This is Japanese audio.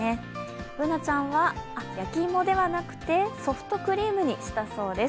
Ｂｏｏｎａちゃんは焼き芋ではなくてソフトクリームにしたそうです。